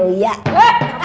daripada gibahin gue